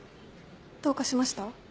どうかしました？